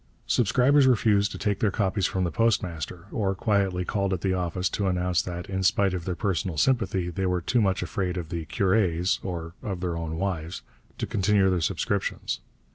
Subscribers refused to take their copies from the postmaster, or quietly called at the office to announce that, in spite of their personal sympathy, they were too much afraid of the curés or of their own wives to continue their subscriptions.